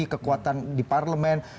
kekuatan di parlemen